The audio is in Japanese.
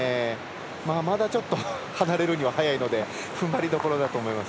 まだちょっと離れるには早いのでふんばりどころだと思います。